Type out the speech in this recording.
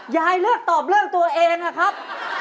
ยายเลือกตอบเรื่องตัวเองนะครับ